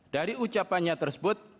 dari ucapannya tersebut